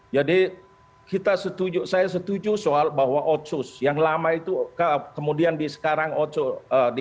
jadi saya setuju soal bahwa otsus yang lama itu kemudian disekarakan